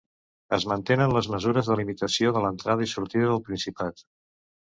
Es mantenen les mesures de limitació de l’entrada i sortida del Principat.